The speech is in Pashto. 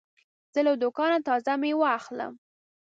زه له دوکانه تازه مېوې اخلم.